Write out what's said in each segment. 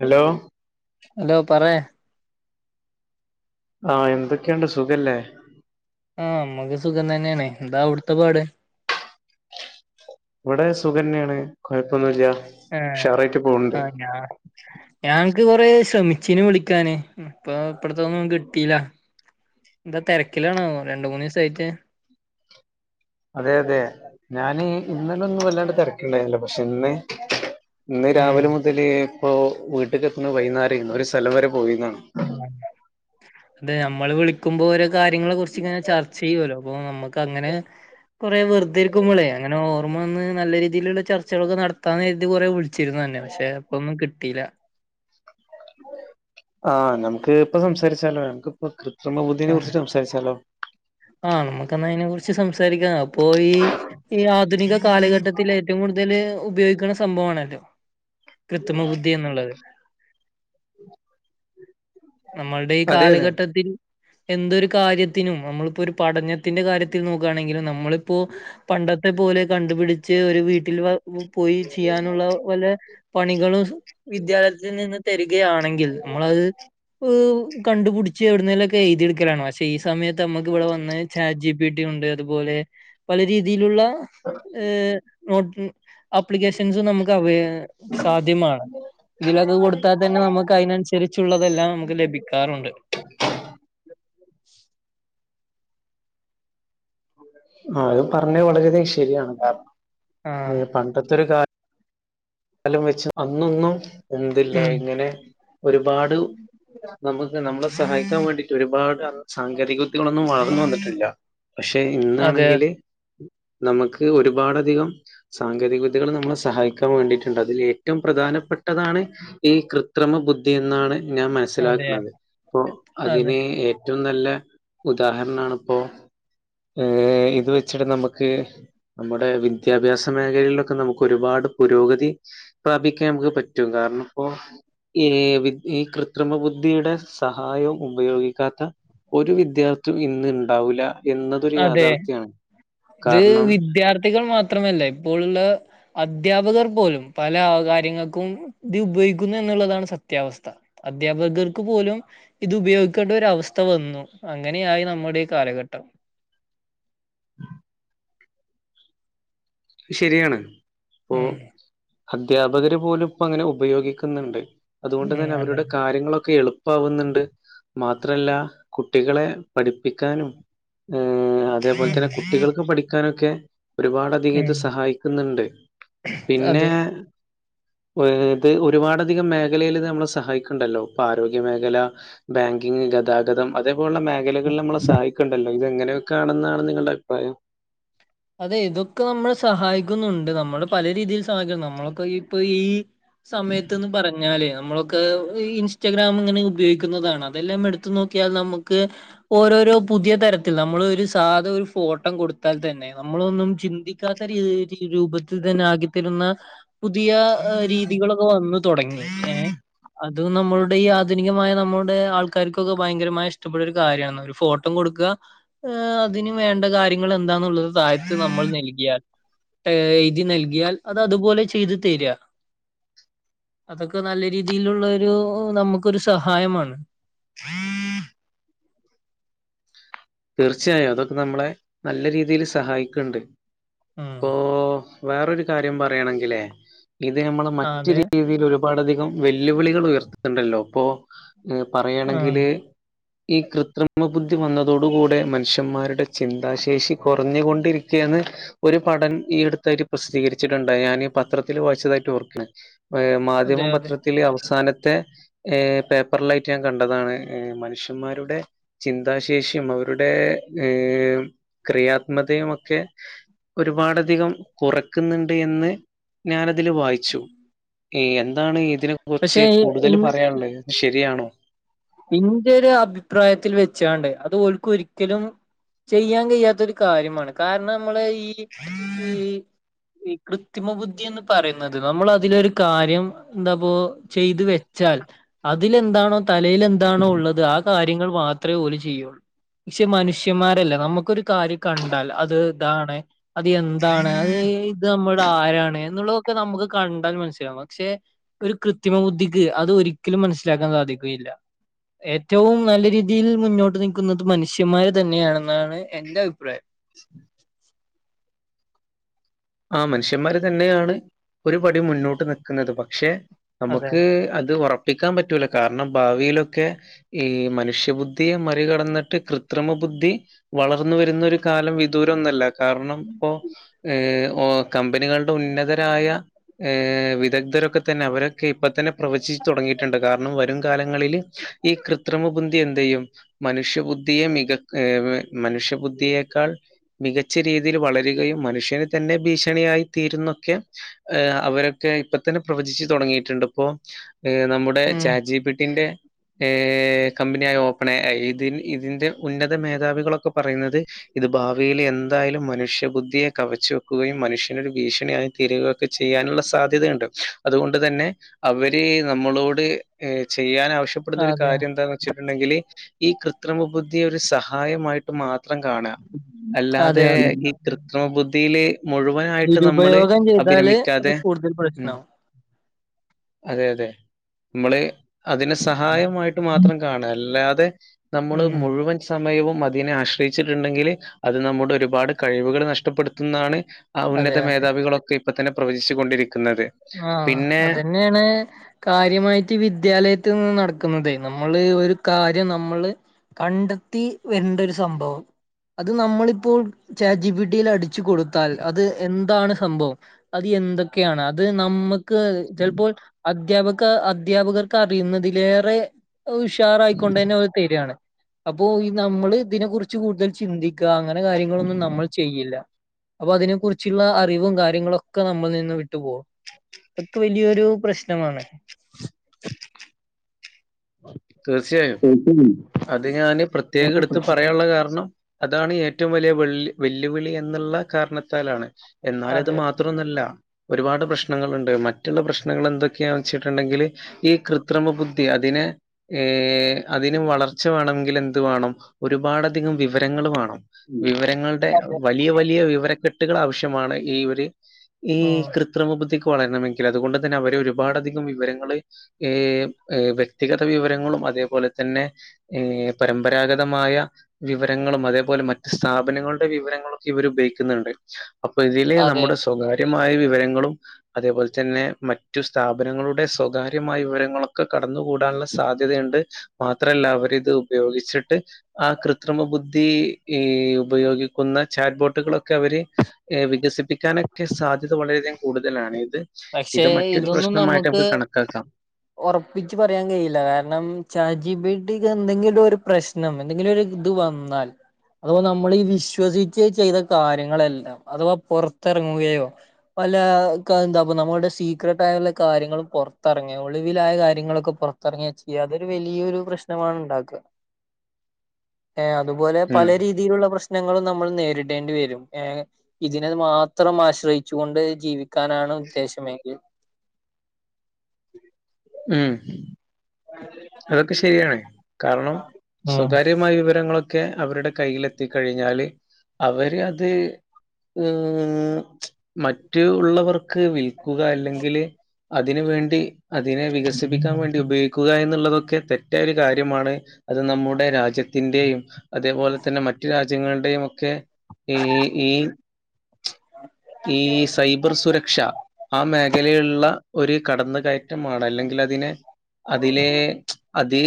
Hello hello പറ ആ എന്തൊക്കെണ്ട് സുഖല്ലേ ആ അമ്മക്ക് സുഖം തന്നെയാണ്േ എന്താ അവിടുത്തെ പാട് ഇവിടെ സുഖന്യാണ് കുഴപ്പൊന്നുല്ല ആ ആ ഞ ഞാ ക്ക് കൊറെ ശ്രമിച്ചീന് വിളിക്കാന് ഇപ്പൊ ഇപ്പട്ത്തൊന്നും കിട്ടീല്ല എന്താ തിരക്കിലാണോ രണ്ട മൂന്ന് ദിവസായിട്ട് അതെ അതെ ഞാൻ ഇന്നലൊന്നും വല്ലാണ്ട് തിരക്കിണ്ടായില്ല പക്ഷെ ഇന്ന് ഇന്ന് ഉം രാവിലെ മുതൽ ഇപ്പോ വീട്ടക്ക് എത്തുന്നെ വൈകുന്നേരയ്നി ഒരു സ്ഥലം വരെ പോയിരുന്ന ഉ അതെ നമ്മള് വിളിക്കുമ്പോ ഓരോ കാര്യങ്ങളെ കുറിച്ച് ഇങ്ങനെ ചർച്ച ചെയ്യല്ലോ അപ്പോ നമുക്ക് അങ്ങനെ കൊറേ വെറുതെരിക്കുമ്പോളെ അങ്ങനെ ഓ നമ്മളന്ന് നല്ല രീതിയിലുള്ള ചർച്ചകളൊക്കെ നടത്താ എഴുതി കുറെേ വിളിച്ചിരുന്നു തന്നെ പക്ഷേ അപ്പോൊന്നും കിട്ടിയില്ല ആഹ് നമുക്ക് ഇപ്പൊ സംസാരിച്ചാലോ നമക്കിപ്പ കൃത്രിമ ബുദ്ധീനെ കുറിച്ച് സംസാച്ചാലോ ആ നമ്മുക്കാ അതിനെ കുറിച്ച് സംസാരിക്കാം അപ്പൊ ഈ ഈ ആധുനിക കാലഘട്ടത്തിൽ ഏറ്റവും കൂടുതൽ ഉപയോഗിക്കുന്ന സംഭവമാണല്ലോ കൃത്രിമ ബുദ്ധി എന്നുള്ളത് ഉ നമ്മളുടെ ഈ കാലഘട്ടത്തിൽ എന്തൊരു കാര്യത്തിനും നമ്മൾ ഇപ്പോ ഒരു പഠനത്തിന്റെ കാര്യത്തിൽ നോക്കുകയാണെങ്കിൽ നമ്മളിപ്പോൊ പണ്ടത്തെ പോലെ കണ്ടുപിടിച്ച് ഒരു വീട്ടിൽ പോയി ചെയ്യാനുള്ള പോലെ പണികളും വിദ്യാലയത്തിൽ നിന്ന് തരികയാണെങ്കിൽ നമ്മളത് ് കണ്ടുപിടിച്ച് എവിടുന്നേലൊക്കെ എഴുതിെടുക്കലാണ് പക്ഷെ ഈ സമയത്ത് നമ്മുക്ക് ഇവിടെ വന്ന് ചാറ്റ് ജി പിറ്റി ഉണ്ട് അതുപോലെ പല രീതിയിലുള്ള ഏ നോട്ട് അപ്ലിക്കേഷൻസ് നമുക്ക് അവയി സാധ്യമാണ് ഇതിലൊക്കെ കൊടുത്താൽ തന്നെ നമുക്ക് അതിനനുസരിച്ചുള്ളതെല്ലാം നമുക്ക് ലഭിക്കാറുണ്ട്. [unintelligible] [unintelligible] ആ, അത് പറഞ്ഞത് വളരെയധികം ശരിയാണ് കാരണം ആഹ് പണ്ടത്തൊരു കാലം കാലം വെച്ച് അന്നൊന്നും ഇതില്ല, ഉം ഇങ്ങനെ ഒരുപാട് നമുക്ക് നമ്മള സഹായിക്കാൻ വേണ്ടിട്ട് ഒരുപാട് സാങ്കേതിക വിദ്യകളൊന്നും വളർന്നു വന്നിട്ടില്ല. പക്ഷെ അതെ ഇന്നാണെങ്കില് നമുക്ക് ഒരുപാട് അധികം സാങ്കേതിക വിദ്യകൾ നമ്മളെ സഹായിക്കാൻ വേണ്ടിട്ട് അതിൽ ഏറ്റവും പ്രധാനപ്പെട്ടതാണ് ഈ കൃത്രിമ ബുദ്ധി എന്നാണ് ഞാൻ അതെ മനസ്സിലാക്കുന്നത്, അപ്പൊ അതെ അതിന് ഏറ്റവും നല്ല ഉദാഹരണണിപ്പൊ ഏ ഐ, ഇത് വെച്ചിട്ട് നമുക്ക് നമ്മുടെ വിദ്യാഭ്യാസ മേഖലിയിലൊക്കെ നമുക്ക് ഒരുപാട് പുരോഗതി പ്രാപിക്കാൻ നമുക്ക് പറ്റും കാരണം ഇപ്പോ ഈ, ഈ കൃത്രിമ ബുദ്ധിയുടെ സഹായവും ഉപയോഗിക്കാത്ത ഒരു വിദ്യാർത്ഥുഇന്ന് ഉണ്ടാവൂല്ല അതെ, ഇത് കാരണം വിദ്യാർത്ഥികൾ മാത്രമല്ല ഇപ്പോഴുള്ള അദ്ധ്യാപകർ പോലും പല കാര്യങ്ങൾക്കും ഇത് ഉപയോഗിക്കുന്നു എന്നുള്ളതാണ് സത്യാവസ്ഥ അദ്ധ്യാപകർക്ക് പോലും ഇത് ഉപയോഗിക്കേണ്ട ഒര അവസ്ഥ വന്നു, അങ്ങനെയായി നമ്മുടെ ഈ കാലഘട്ടം. [unintelligible] ഉം ശരിയാണ്, ഇപ്പൊ ഉം അദ്ധ്യാപകര് പോലും ഇപ്പോ അങ്ങനെ ഉപയോഗിക്കുന്നുണ്ട്, അതുകൊണ്ട് ഉം തന്നെ അതെ അവരുടെ കാര്യങ്ങളൊക്കെ എളു ഉണ്ടാവുന്നുണ്ട്, മാത്രല്ല കുട്ടികളെ പഠിപ്പിക്കാനും അതേപോലെ ഉം തന്നെ കുട്ടികൾക്ക് പഠിക്കാനൊക്കെ ഒരുപാട് അധിക ഉം സഹായിക്കുന്നുണ്ട് പിന്നെ അതെ ഇത് ഒരുപാട് അധികം മേഖലയിൽ നമ്മളെ സഹായിക്കന്നണ്ടല്ലോ, ഇപ്പൊ ആരോഗ്യമേഖല പിന്നെ ഗതാഗതം അ ലുള്ള മേഖലകളിൽ നമ്മളെ സഹായിക്കുണ്ടല്ലോ, ഇതെങ്ങനെയൊക്കെ ആണെന്നാണ് നിങ്ങളുടെ അഭിപ്രായം അതെ ഇതൊക്കെ നമ്മെ സഹായിക്കുന്നുണ്ട്, നമ്മള് പല രീതിൽ സഹായിക്കുന്നു നമ്മളൊക്കെ ഇപ്പൊ ഈ സമയത്ത്ന്ന് പറഞ്ഞാലേ നമ്മളൊക്കെ ഇൻസ്റ്റഗ്രാം, ഇങ്ങനെ ഉപയോഗിക്കുന്നതാണ് അതെല്ലാം എടുത്തു നോക്കിയാൽ നമുക്ക് ഓരോ ഒരു പുതിയ തരത്തിൽ നമ്മൾ ഒരു സാധ ഒരു ഫോട്ടം കൊടുത്താൽ തന്നെ നമ്മളൊന്നും ചിന്തിക്കാത്ത രീതി രൂപത്തിൽ തന്നെ ആക്കിത്തരുന്ന പുതിയ രീതികളൊക്കെ വന്ന് തുടങ്ങി. ഏ അത് നമ്മള ഈ ആധുനികമായ നമ്മുടെ ആൾക്കാർക്കൊക്കെ ഭയങ്കരമായി ഇഷ്ടപ്പെട്ട ഒരു കാര്യണ് ഫോട്ടോ കൊടുക്കുക അതിന് വേണ്ട കാര്യങ്ങൾ എന്താന്നുള്ളത് താഴത്ത് നമ്മൾ നൽകിയാൽ ഇതി നൽകിയാൽ അത് അതുപോലെ ചെയ്തു തരിക. അതൊക്കെ നല്ല രീതിയിലുള്ള ഒരു നമുക്കൊരു സഹായമാണ്. ആ തീർച്ചയായും അതൊക്കെ നമ്മളെ നല്ല രീതിയിൽ സഹായിക്കുന്നുണ്ട്. ആ വേറെരു കാര്യം പറയാണെങ്കല് ഇത് നമ്മൾ മറ്റൊരു അതെ. രീതിയിൽ ഒരു ഒരുപാടധികം വെല്ലുവിളികൾ ഉയർത്തുന്നുണ്ടല്ലോ, അപ്പോ ആഹ്. പറയുകയാണെങ്കില്. ഈ കൃത്രിമ ബുദ്ധി വന്ന തോട് കൂടെ മനുഷ്യന്മാരുടെ ചിന്താശേഷി കുറഞ്ഞുകൊണ്ടിരിക്കുകയന്ന് ഒരു പഠനം ഈ അടുത്ത് ഇതായിട്ട് പ്രസിദ്ധീകരിച്ചിട്ടുണ്ടായി, ഞാൻഈ പത്രത്തിത്തില് വായിച്ചതായിട്ട് ഓർക്കുണുണ്ട് ഏ അതെ, അതെ. മാധ്യമപത്രത്തില് അവസാന ത്തെ പേപ്പറ്ലായിട്ട് ഞാൻ കണ്ടതാണ് മനുഷ്യന്മാരുടെ ചിന്താശേഷി ഞ്ഞമ്മളുരുടെ ഏഹ് ക്രിയാത്മതയും ഒക്കെ ഒരുപാടധികം കുറക്കുന്നുണ്ട് എന്ന് ഞാൻ ഇതില് വായിച്ചു എന്താണ് ഇതിനെ പക്ഷെ കുറ്ച്ച് കൂടുതൽ പറയാൻള്ളത് ശരി രിയാണോ ഇഞ്ഞു അഭിപ്രായത്തിൽ വെച്ചാണ്ട് അതും ഓൽക്ക് ഒരിക്കലും ചെയ്യാൻ കഴിയാത്തൊരു കാര്യമാണ് കാര്ണം നമ്മള് ഈ ഈ ഈ കൃത്രിമ ബുദ്ധി എന്ന് പറയുന്നത് നമ്മൾ അതിലൊരു കാര്യം എന്താപ്പൊ ചെയ്ത് വെ ച്ചാൽ അതിലെന്താണോ തലേൽ എന്താണോ ഉള്ളത് ആ കാര്യങ്ങൾ മാത്രേ ഓല് ചെയ്യൊള്ളൂ പക്ഷെ മനുഷ്യന്മാരല്ല നമുക്കൊരു കാര്യം കണ്ടാൽ അത് ഇതാണ് അത് എന്താണ് അത് ഇത് നമ്മുടെ ആരാണ് എന്നുള്ളതൊക്കെ നമുക്ക് കണ്ടാൽ മനസ്സിലാവും പക്ഷെ ഒരു കൃത്രിമ ബുദ്ധിക്ക് അത് ഒരിക്കലും മനസ്സിലാക്കാൻ സാധിക്കും [unintelligible] യില്ല ഏറ്റവും നല്ല രീതിയിൽ മുന്നോട്ട് നൽക്കുന്നത് മനുഷ്യന്മാര് തന്നെയാണെന്നാണ് എന്റെ അഭിപ്രായം ആ മനുഷ്യന്മാര് തന്നെയാണ് ഒരു പടി മുന്നോട്ട് നിൽക്കുന്നത് പക്ഷെ അതെ നമക്ക് അത് ഉറ പ്പിക്കാൻ പറ്റൂല കാരണം ഭാവിയിലൊക്കെ ഈ മനുഷ്യബുദ്ധിയെ മറികടന്നിട്ട് കൃത്രിമ ബു ദ്ധി വളർന്നു വരുന്ന ഒരു കാലം വിദൂരം ഒന്നല്ല കാരണം ഇപ്പോ ഏഹ് ഓ കമ്പനികളുടെ ഉന്നതരായ ഏഹ് വിദഗ്ധരൊക്കെ തന്നെ അവരൊക്കെ ഇപ്പ തന്നെ പ്രവചി തുടങ്ങിയിട്ടുണ്ട് കാരണം വരും കാലങ്ങളിൽ ഈ കൃത്രിമ ബുദ്ധി എന്ത് ചെയ്യും മനുഷ്യബുദ്ധിയെ മ മനുഷ്യബുദ്ധിയേക്കാൾ മികച്ച രീതിയിൽ വളരുകയും മനുഷ്യന് തന്നെ ഭീഷണിയായി തീരുന്നൊക്കെ ഏഹ് അവരൊക്കെ ഇപ്പ തന്നെ പ്രവചിച്ച് തുടങ്ങിയിട്ടുണ്ട് ഇപ്പോ നമ്മുടെ ഉം ചാജ് ജീപിട്ടിന്റെ ഏഹ് കമ്പനിയായ ഓപ്പണ ഇതി ഇതിന്റെ ഉന്നത മേധാവികളൊക്കെ പറയുന്നത് ഇത് ഭാവിയിൽ എന്തായാലും മനുഷ്യബുദ്ധിയെ കവച്ചു വെ കുകയും മനുഷ്യനരു ഭീഷണി തീരുക ഒക്കെ ചെയ്യാനുള്ള സാധ്യതയുണ്ട് അതുകൊണ്ട് തന്നെ അവര് നമ്മളോട് ചെയ്യാൻ ആവശ്യപ്പെടുന്ന അതെ കാര്യം എന്താന്ന് വെച്ചിട്ടുണ്ടെങ്കിൽ ഈ കൃത്രിമ ബുദ്ധിയ ഒരു സഹായമായിട്ട് മാത്രം കാണ് അതെ അല്ലാതെ അതെ ഈ കൃത്രിമ ബുദ്ധിയില് മുഴുവനായിട്ട് നമ്മള് ദുരുപയോഗം ചെയ്താല് അത് അഭിനമിക്കാതെ കൂടുതൽ ഉം പ്രശ്നാവും അതെ അതെ നമ്മള് അതിന് സഹായമായിട്ട് മാത്രം കാണാം അല്ലാത അതെ നമ്മള് ഉം മുഴുവൻ സമയവും അതിനീെ ആശ്രയിച്ചിട്ടുണ്ടെങ്കിൽ അത് നമ്മുടെ ഒരുപാട് കഴിവുകൾ നഷ്ടപ്പെടുത്തുന്നതാണ് ആ അതെ ഉന്നത അതെ മേധാവികളൊക്കെ ഇപ്പ തന്നെ പ്രവചിച്ചുൊണ്ടിരിക്കും ആഹ് അതന്നെയാണ് കാര്യമായിട്ട് വിദ്യാലയത്തിൽ ഇന്ന് നടക്കുന്നത് നമ്മള് ഒരു കാര്യം നമ്മള് കണ്ടെത്തി വരേണ്ട് ഒരു സംഭവം അത് നമ്മളിപ്പോൾ ചാജ് ജിപിട്ടിയിൽ അടി വച്ച കൊടുത്താൽ അത് എന്താണ് സംഭവം അത് എന്തൊക്കെയാണ് അത് നമ്മ ക്ക് ചിലപ്പോൾ അധ്യാപക അധ്യാപകർക്ക് അറിയുന്നതിലേറെ ഉഷാറായിക്കൊണ്ടന്നെ ഓര് തരിയാണ് അപ്പോ നമ്മൾ ഇതിനെ കുറിച്ച് കൂടുതൽ ചിന്തിക്കുക അങ്ങനെ കാര്യങ്ങളൊന്നും നമ്മൾ ചെയ്യില്ല. അപ്പൊ അതിനെ കുറിച്ചുള്ള അറിവും കാര്യങ്ങളൊക്കെ നമ്മൾ നിന്ന് വിട്ടു പോവും. അതൊക്കെ വലിയൊരു പ്രശ്നമാണ്. തീർച്ചയായും. അത് ഞാന് പ്രത്യേകം എടുത്ത് പറയാനുള്ള കാരണം അതാണ് ഏറ്റവും വലിയ വെള്ളി വെല്ലുവിളി എന്നുള്ള കാരണത്താലാണ് എന്നാൽ അത് അതെ മാത്രം ഒന്നല്ല. ഒരുപാട് പ്രശ്നങ്ങളുണ്ട് മറ്റുള്ള പ്രശ്നങ്ങൾ എന്തൊക്കെയാന്ന് വെച്ചിട്ടുണ്ടെങ്കിൽ ഈ കൃത്രിമ ബുദ്ധി അതിനെ ഏ അതിന് വളർച്ച വേണമെങ്കിൽ എന്തു വേണം ഒരുപാട് അധികം വിവരങ്ങൾ വേണം. വിവരങ്ങളുടെ അതെ വലിയ വലിയ വിവരക്കെട്ടുകൾ ആവശ്യമാണ് ഈ ഒരു ഈ ഉം കൃത്രരിമ ബധ വളരണമെങ്കിൽ അതുകൊണ്ട് തന്നെ അവരെ ഒരുപാട്ധികം വിവരങ്ങള് വ്യക്തി വിവരങ്ങളും അതേപോലെ തന്നെ പരമ്പരാഗതമായ വിവരങ്ങളും അതേപോലെ മറ്റ സ്ഥാപനങ്ങളുടെ വിവരങ്ങളൊക്കെ ഇവർ ഉപയോഗിക്കുന്നുണ്ട് അപ്പൊ ഇതില് അതെ നമ്മുടെ സ്വകാര്യ വിവരങ്ങളും അതേപോലെ തന്നെ മറ്റു സ്ഥാപനങ്ങളുടെ സ്വകാര്യമായ വിവരങ്ങളൊക്കെ കട കൂട സാധ്യതയുണ്ട് മാത്രമല്ല അവരി ഇത് ഉപയോഗിച്ചിട്ട് ആ കൃത്രിമ ബുദ്ധി ഈ ഉപയോഗിക്കുന്ന ചാറ്റ് ബോട്ടുകളൊക്കെ അവര് ഏഹ വികസിപ്പിക്കാനൊക്കെ സാധ്യത വളരെയധികം കൂടുതലാണ്ത് പക്ഷെ ഇതൊന്നും നമുക്ക് കണക്കാക്കാം. ഉറപ്പിച്ച് പറയാൻ കഴിയില്ല കാരണം കാരണം ചാറ്റ് ജി പിട്ടിക് എന്തെങ്കിലും ഒരു പ്രശ്നം എന്തെങ്കിലും ഒരു ഇത് വന്നാൽ അഥവാ നമ്മൾീ വിശ്വസച്ച് ചെയ്ത കാര്യങ്ങളെല്ലാം അഥവാ പുറത്തിറങ്ങുകയോ അല്ല എന്താ അപ്പൊ നമ്മുടെ സീക്രട്ട ആായുള്ള കാര്യങ്ങളും പുറത്തിറങ്ങിയ ഒളിവിലായ കാര്യങ്ങളൊക്കെ പുറത്തിറങ്ങിയ ചെയ്യുക അതൊരു വ ഈ ഒരു പ്രശ്നമാണ് ഉണ്ടാക്കുക [unintelligible] ഏ അതുപോലെ ഉം പല രീതിയിലുള്ള പ്രശ്നം പ്രശ്നങ്ങളും നമ്മൾ നേരിടേണ്ടി വരും ഇതിനത് മാത്രം ആശ്രയിച്ചു കൊണ്ട് ജീവിക്കാനാണ് [unintelligible] ഉം അതൊക്കെ ശരിയാണ് കാരണം ഉം സ്വകാര്യമായ വിവരങ്ങളൊക്കെ ഒക്കെ അവരുടെ കയ്ൽ എത്തിക്കഴിഞ്ഞാല് അവര് അത് മറ്റ് ഉള്ളവർക്ക് വിൽ അല്ലെങ്കിൽ അതിനന് വേണ്ടി അതിനെ വികസിപ്പിക്കാൻ വേണ്ടി ഉപയോഗിക്കുക ുള്ളതൊക്കെ തെറ്റ ഒരു കാര്യമാണ് അത് നമ്മുടെ രാജ്യത്തിന്റെയും അതേപോലെ തന്നെ മറ്റു രാ്യ രാജ്യങ്ങളുടെയും ഒക്കെ ഈ ഈ ഈ സൈബർ സുരക്ഷ ആ മേഖലയിലുള്ള ഒരു കടന്നുകയറ്റ മാറ്റ അല്ലെങ്കിൽ അതിനെ അതിലെ അത്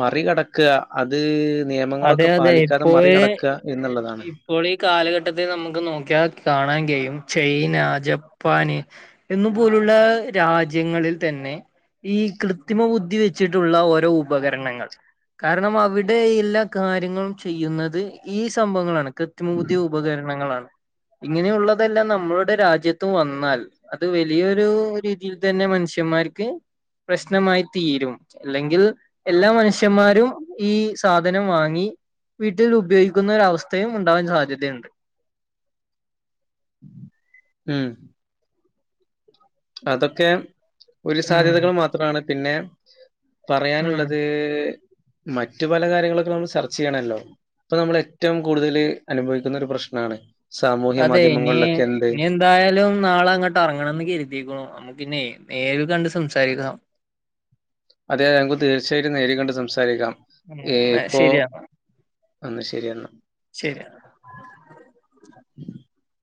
മറികിടക്ക അത് അതെ നിയമങ്ങളൊക്കെ അതെ പാലിക്കാതെ ഇപ്പോ മറികടക്കുക എന്നുള്ളതാണ്. ഇപ്പോൾ ഈ കാലഘട്ടത്തിൽ നമുക്ക് നോക്കിയാ കാണാൻ കും ചൈന ജപ്പാന് എന്നു പോലുള്ള രാജ്യങ്ങളിൽ തന്നെ പിന്നെ ഈ കൃത്രിമ ബുദ്ധി വെച്ചിട്ടുള്ള ഓരോ ഉപകരണങ്ങൾ കാരണം അവിടെ എല്ലാം കാര്യങ്ങളും ചെയ്യുന്നത് ഈ സംഭവങ്ങളാണ് കൃത്മൂതിയ ഉപകരണങ്ങളാണ് ഇങ്ങനെയുള്ളതെല്ലാം നമ്മളുടെ രാജ്യത്ത് വന്നാൽ അത് വലിയൊരു രീതിയിൽ തന്നെ മ നിഷയമാർരിക്ക പ്രശ്നമായി തീരും അല്ലെങ്കിൽ എല്ലാ മനുഷ്യന്മാരും ഈ സാധനം വാങ്ങി ഭങ്ങി വീട്ടിൽ ഉപയോഗിക്കുന്ന ഒരവസ്ഥയും ഉണ്ടാവാൻ സാധ്യതയുണ്ട് ഉം അതൊക്കെ ഒരു ഉം സാധ്യതകൾ മാത്രമാണ് പിന്നെ ഉം പറയാനുള്ളത് മറ്റു പല കാര്യങ്ങളൊക്കെ നമ്മൾ ചർച്ച് ചെയ്യണല്ലോ ഇപ്പൊ നമ്മൾ ഏറ്റവും കൂടുതല് അനുഭവിക്കുന്ന ഒരു പ്രശ്നമാണ് അതെ ഇനി ഇനി എന്തായാലും നാളെ അങ്ങോട്ട് ഇറങ്ങണം കേ ശ നമുക്ക്ന്നെ നേരി കണ്ട് സംസാരിക്കണം അതെ ഞങ്ങക്ക് തീർച്ചയായിട്ടും നേടൊണ്ട് സംസാരിക്കാം ഉം ഏ ഇപ്പോ ശരിയാ അന്ന് ശരിയാൽ ഉം ശരി [unintelligible]